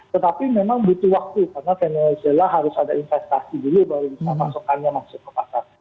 tetapi memang butuh waktu karena venezela harus ada investasi dulu baru bisa pasokannya masuk ke pasar